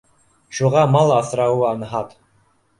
Шуға мал аҫрауы анһат